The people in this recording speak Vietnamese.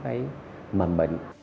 không có mậm bệnh